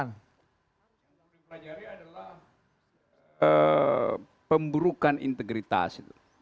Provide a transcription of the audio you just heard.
yang perlu kita pelajari adalah pemburukan integritas